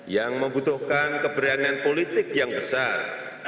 yang membutuhkan keberanian politik yang besar